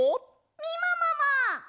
みももも！